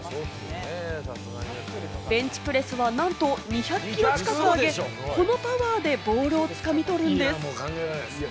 ベンチプレスはなんと２００キロ近く上げ、このパワーでボールをつかみ取るんです！